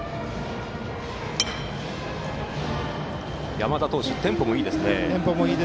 山田投手、テンポもいいですね。